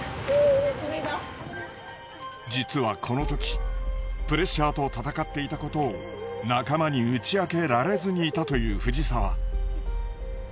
実はこの時プレッシャーと闘っていたことを仲間に打ち明けられずにいたという藤澤。